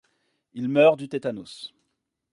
Il meurt du tétanos.